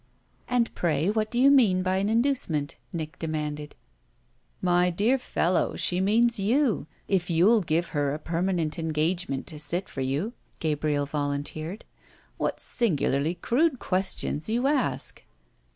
"And pray what do you mean by an inducement?" Nick demanded. "My dear fellow, she means you if you'll give her a permanent engagement to sit for you!" Gabriel volunteered. "What singularly crude questions you ask!"